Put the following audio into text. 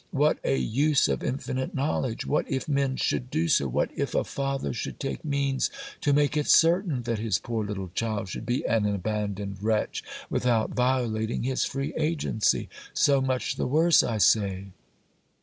What a use of infinite knowledge! What if men should do so? What if a father should take means to make it certain that his poor little child should be an abandoned wretch, without violating his free agency? So much the worse, I say!